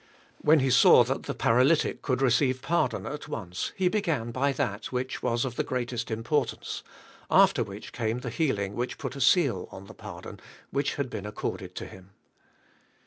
When He saw that the paralytic could receive par don at once, He tiegan by that, which was of the greatest importance; after which came the healing which put a seal on the pardon which 'had been accorded to him.